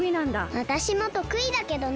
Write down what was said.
わたしもとくいだけどね。